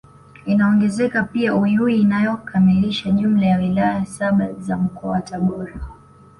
Inaongezeka pia Uyui inayoikamilisha jumla ya wilaya saba za Mkoa wa Tabora